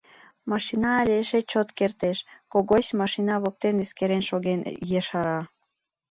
— Машина але эше чот кертеш, — Когось машина воктен эскерен шоген ешара.